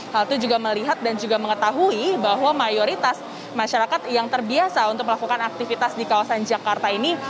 hal itu juga melihat dan juga mengetahui bahwa mayoritas masyarakat yang terbiasa untuk melakukan aktivitas di kawasan jakarta ini